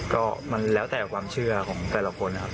ก็มันแล้วแต่ความเชื่อของแต่ละคนนะครับ